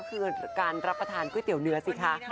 คือการรับประทานก๋วยเตี๋ยเนื้อสิคะ